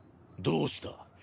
どうした？